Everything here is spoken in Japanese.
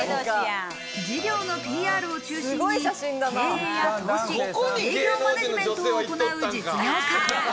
事業のＰＲを中心に経営や投資、営業マネジメントを行う実業家。